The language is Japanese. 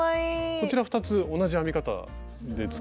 こちら２つ同じ編み方で作った？